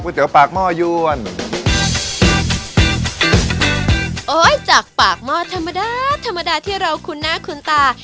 เตี๋ยปากหม้อยวนโอ้ยจากปากหม้อธรรมดาธรรมดาที่เราคุ้นหน้าคุ้นตา